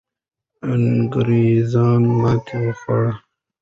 انګریزان ماتې خوړلې وو.